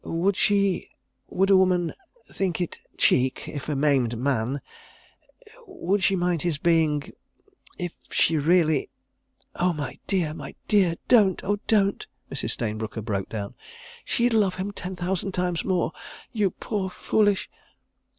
... Would she—would a woman—think it cheek if a maimed man—would she mind his being—if she really ...?" "Oh, my dear, my dear! Don't! Oh, don't!" Mrs. Stayne Brooker broke down. "She'd love him ten thousand times more—you poor, foolish